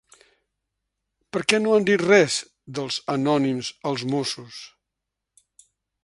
Per què no han dit res dels anònims als Mossos?